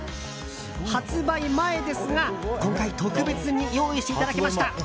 発売前ですが、今回特別に用意していただきました！